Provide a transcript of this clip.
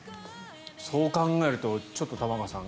そう考えると、ちょっと玉川さん